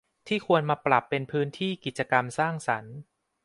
ที่ควรมาปรับเป็นพื้นที่กิจกรรมสร้างสรรค์